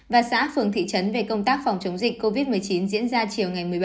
và xã phường thị trấn về công tác phòng chống dịch covid một mươi chín diễn ra chiều ngày một mươi bảy